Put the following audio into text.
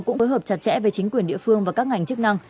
cũng phối hợp chặt chẽ với chính quyền địa phương và các ngành chức năng